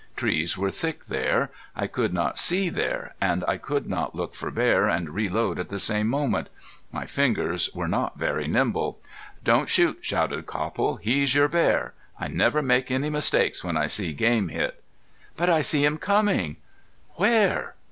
Trees were thick there. I could not see there, and I could not look for bear and reload at the same moment. My fingers were not very nimble. "Don't shoot," shouted Copple. "He's your bear. I never make any mistakes when I see game hit." "But I see him coming!" "Where?...